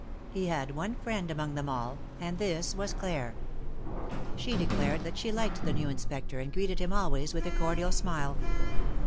He had one friend among them all, and this was Claire. She declared that she liked the new Inspector, and greeted him always with a cordial smile.